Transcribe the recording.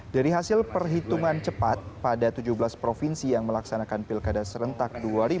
dari hasil perhitungan cepat pada tujuh belas provinsi yang melaksanakan pilkada serentak dua ribu delapan belas